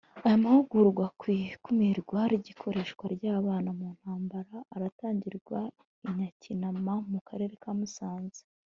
Aya mahugurwa ku ikumirwa ry’ikoreshwa ry’abana mu ntambara aratangirwa i Nyakinama mu Karere ka Musanze